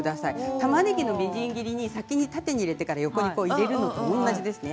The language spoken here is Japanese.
たまねぎのみじん切りに縦に入れてから横に入れるのと同じです。